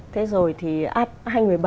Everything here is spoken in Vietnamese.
thế rồi thì apec hai nghìn một mươi bảy